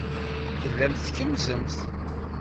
Tellamt tkemmzemt.